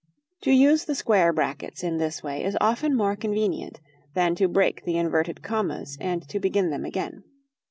_ To use the square brackets in this way is often more convenient than to break the inverted commas and to begin them again.